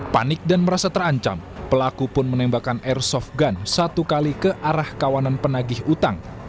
panik dan merasa terancam pelaku pun menembakkan airsoft gun satu kali ke arah kawanan penagih utang